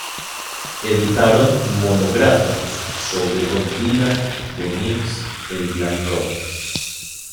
Editaron monográficos sobre Bob Dylan, The Kinks, el glam rock...